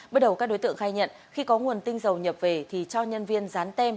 bước đầu các đối tượng khai nhận khi có nguồn tinh dầu nhập về thì cho nhân viên dán tem